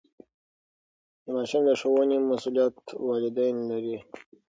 د ماشوم د ښوونې مسئولیت والدین لري.